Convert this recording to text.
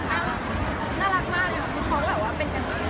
น่ารักมากเนี่ยพี่พอว่าเป็นกันมาก